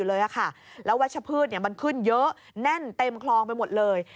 แล้ววัชพืชมันขึ้นเยอะแน่นเต็มคลองไปหมดเลย